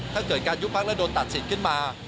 ถ้าเกิดการยุคภักดิ์และโดนตัดสินขึ้นมา